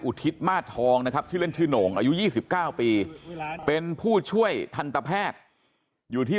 ทิศมาสทองนะครับชื่อเล่นชื่อโหน่งอายุ๒๙ปีเป็นผู้ช่วยทันตแพทย์อยู่ที่